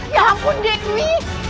ya ampun dewi